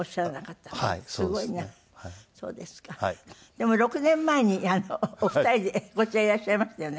でも６年前にお二人でこちらいらっしゃいましたよね。